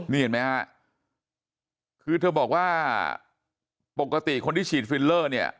นี่เห็นไหมฮะคือเธอบอกว่าปกติคนที่ฉีดฟิลเลอร์เนี่ย